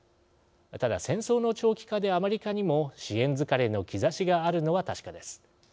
ただ戦争の長期化でアメリカにも支援疲れの兆しがあるのは確かです。